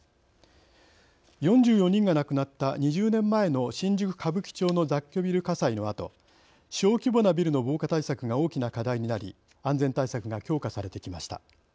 ４４人が亡くなった２０年前の新宿、歌舞伎町の雑居ビル火災のあと小規模なビルの防火対策が大きな課題になり安全対策が強化されてきました。